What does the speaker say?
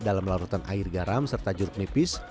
dalam larutan air garam serta jeruk nipis